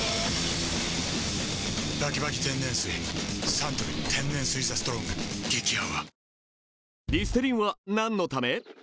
サントリー天然水「ＴＨＥＳＴＲＯＮＧ」激泡